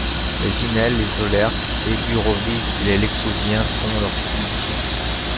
Les Unelles, les Aulerques Éburovices et les Lexoviens font leur soumission.